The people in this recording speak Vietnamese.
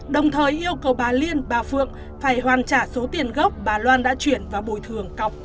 đồng thời yêu cầu bà liên bà phượng phải hoàn trả số tiền gốc bà loan đã chuyển và bồi thường cọc